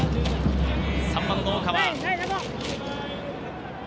３番の大川。